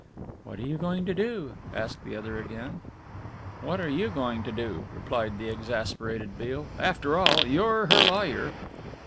"What are you going to do?" asked the other again. "What are you going to do?" replied the exasperated Beale, "after all, you're her lawyer."